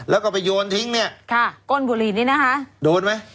แล้วก็ไปโยนทิ้งเนี่ยค่ะก้นบุหรี่นี้นะคะโดนไหม